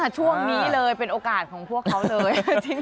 ช่วงนี้เลยเป็นโอกาสของพวกเขาเลย